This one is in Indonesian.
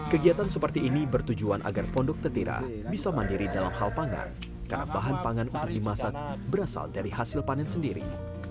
kegiatan seperti ini bertujuan agar pondok tetira bisa mandiri dalam hal pangan karena bahan pangan untuk dimasak berasal dari hasil panen sendiri